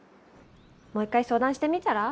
もう一回相談してみたら？